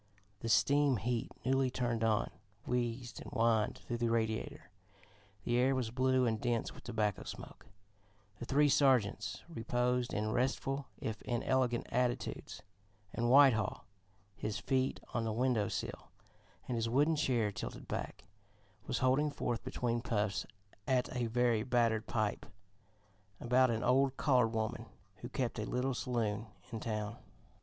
The steam heat, newly turned on, wheezed and whined through the radiator: the air was blue and dense with tobacco smoke; the three sergeants reposed in restful, if inelegant attitudes, and Whitehall, his feet on the window sill and his wooden chair tilted back, was holding forth between puffs at a very battered pipe about an old colored woman who kept a little saloon in town.